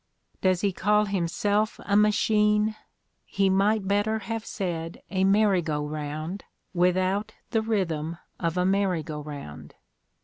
Does he call himself a machine? He might better have said a merry go round, without the rhythm of a merry go round.